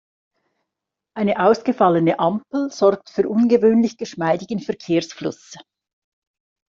Eine ausgefallene Ampel sorgt für ungewöhnlich geschmeidigen Verkehrsfluss.